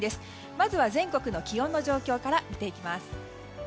まずは全国の気温の状況から見ていきます。